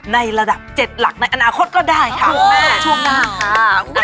ในระดับ๗หลักในอนาคตก็ได้ค่ะ